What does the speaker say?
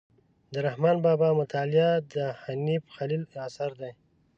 د رحمان بابا مطالعه د حنیف خلیل اثر دی.